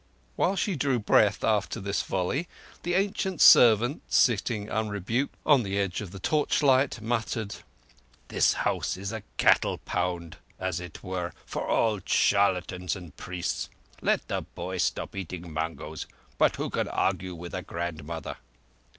While she drew breath after this volley, the ancient servant, sitting unrebuked on the edge of the torchlight, muttered: "This house is a cattle pound, as it were, for all charlatans and—priests. Let the boy stop eating mangoes ... but who can argue with a grandmother?"